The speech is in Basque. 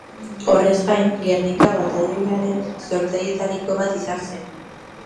Horrez gain, Gernika Batailoiaren sortzailetariko bat izan zen.